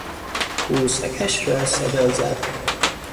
او سگش را صدا زد.